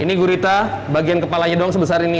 ini gurita bagian kepalanya doang sebesar ini